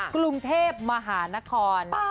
๓๒๔๒กรุงเทพมหานคร